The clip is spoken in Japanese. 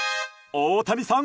大谷さん